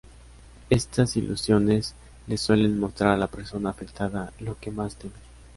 Estas ilusiones le suelen mostrar a la persona afectada lo que más teme.